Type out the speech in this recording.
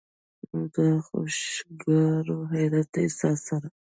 نو د خوشګوار حېرت د احساس سره